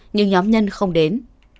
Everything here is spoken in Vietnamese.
nhưng nhóm nhân không đến